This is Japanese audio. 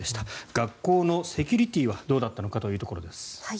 学校のセキュリティーはどうだったのかというところです。